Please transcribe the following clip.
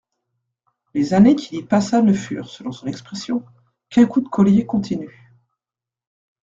Les années qu'il y passa ne furent, selon son expression, qu'un coup de collier continu.